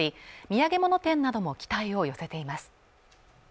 土産物店なども期待を寄せています